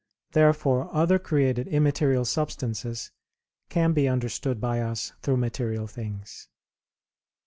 Therefore other created immaterial substances can be understood by us through material things.